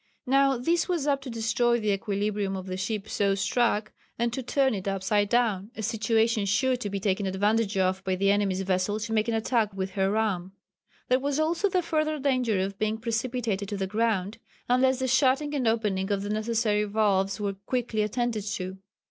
Now this was apt to destroy the equilibrium of the ship so struck and to turn it upside down a situation sure to be taken advantage of by the enemy's vessel to make an attack with her ram. There was also the further danger of being precipitated to the ground, unless the shutting and opening of the necessary valves were quickly attended to.